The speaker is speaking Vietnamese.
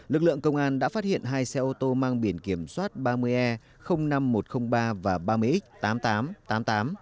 lực lượng công an đã phát hiện hai xe ô tô mang biển kiểm soát ba mươi e năm nghìn một trăm linh ba và ba mươi x tám nghìn tám trăm tám mươi tám